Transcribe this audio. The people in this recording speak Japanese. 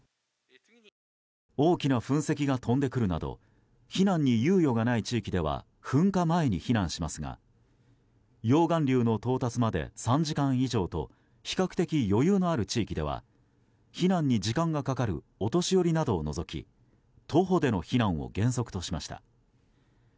大きな噴石が飛んでくるなど避難に猶予がない地域では噴火前に避難しますが溶岩流の到達まで３時間以上と比較的余裕のある地域では避難に時間がかかるお年寄りなどを除き徒歩での避難を原則としました。